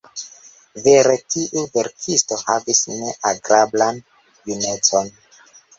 Vere tiu verkisto havis ne agrablan junecon.